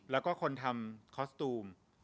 แล้วก็คนทำคอสตูม